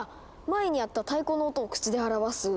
前にやった太鼓の音を口で表す。